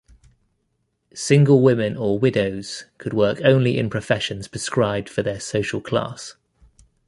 Single women or widows could work only in professions prescribed for their social class.